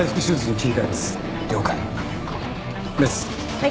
はい。